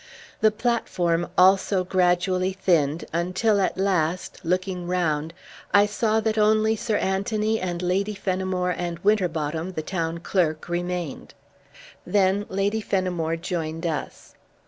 The platform also gradually thinned, until at last, looking round, I saw that only Sir Anthony and Lady Fenimore and Winterbotham, the Town Clerk, remained. Then Lady Fenimore joined us.